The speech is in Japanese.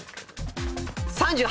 ３８！